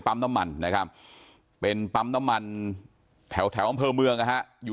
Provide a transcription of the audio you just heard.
น้ำมันนะครับเป็นปั๊มน้ำมันแถวแถวอำเภอเมืองนะฮะอยู่